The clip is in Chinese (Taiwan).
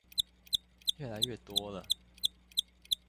越來越多了